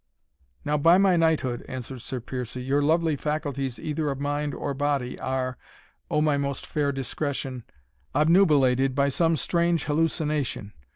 "Now, by my knighthood," answered Sir Piercie, "your lovely faculties either of mind or body are, O my most fair Discretion, obnubilated by some strange hallucination.